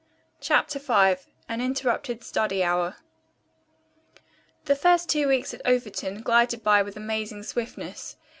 CHAPTER V AN INTERRUPTED STUDY HOUR The first two weeks at Overton glided by with amazing swiftness.